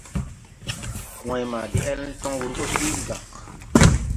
Wãy ma de deele cɔŋ wǔr gɔ síigi gà.